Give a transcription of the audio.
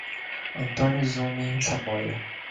Antônio Zume Saboia